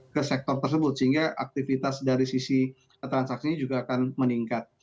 ke sektor tersebut sehingga aktivitas dari sisi transaksinya juga akan meningkat